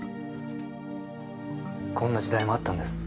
こんな時代もあったんです。